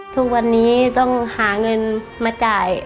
ทุกวันนี้ต้องหาเงินมาจ่าย